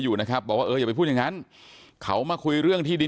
อยู่นะครับบอกว่าเอออย่าไปพูดอย่างนั้นเขามาคุยเรื่องที่ดิน